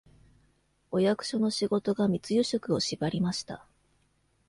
お役所の仕事が密輸食を縛りました。